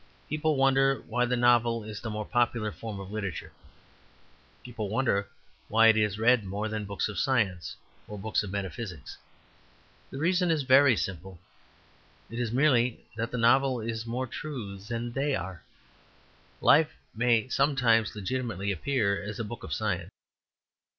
People wonder why the novel is the most popular form of literature; people wonder why it is read more than books of science or books of metaphysics. The reason is very simple; it is merely that the novel is more true than they are. Life may sometimes legitimately appear as a book of science.